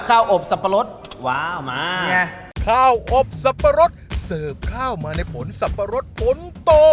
อบสับปะรดว้าวมาไงข้าวอบสับปะรดเสิร์ฟข้าวมาในผลสับปะรดผลโต